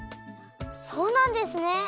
そうなんですね！